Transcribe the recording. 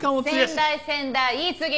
先代先代言い過ぎ！